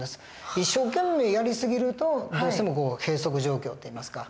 一生懸命やり過ぎるとどうしても閉塞状況っていいますか。